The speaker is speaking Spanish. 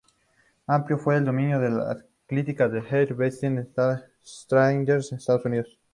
Amplio fue el dominio de los ciclistas del Kelly Benefit Strategies, de Estados Unidos.